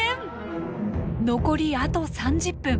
残りあと３０分。